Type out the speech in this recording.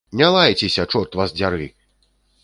Не лайцеся, чорт вас дзяры!